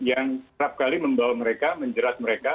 yang serapkali membawa mereka menjelaskan mereka